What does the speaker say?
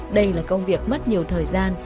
đây là công việc mất nhiều thời gian